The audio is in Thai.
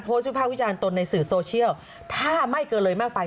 โพสต์ผู้ธรรมวิจารณ์ตนในสื่อโซเชียลถ้าไม่เกิลเลยมากไป